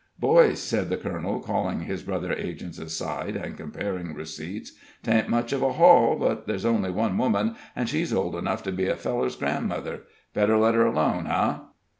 "Boys," said the colonel, calling his brother agents aside, and comparing receipts, "'tain't much of a haul; but there's only one woman, an' she's old enough to be a feller's grandmother. Better let her alone, eh?"